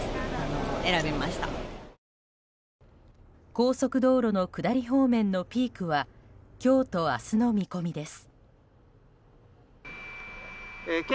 高速道路の下り方面のピークは今日と明日の見込みです。